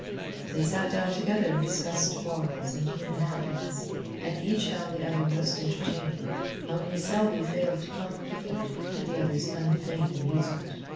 They sat down together and discussed morals and human happiness, and each found the other most entertaining, only Selby failed to pump Clifford, to the other's unfeigned amusement.